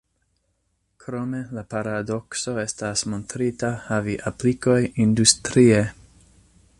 Krome, la paradokso estas montrita havi aplikoj industrie.